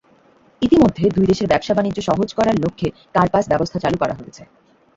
ইতিমধ্যে দুই দেশের ব্যবসা-বাণিজ্য সহজ করার লক্ষ্যে কারপাস ব্যবস্থা চালু করা হয়েছে।